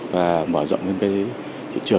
và mở rộng lên cái thị trường